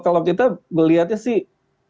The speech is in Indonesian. kalau kita melihatnya sih